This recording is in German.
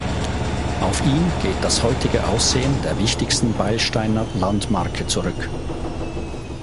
Auf ihn geht das heutige Aussehen der wichtigsten Beilsteiner Landmarke zurück.